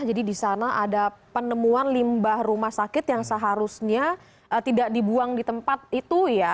jadi di sana ada penemuan limbah rumah sakit yang seharusnya tidak dibuang di tempat itu ya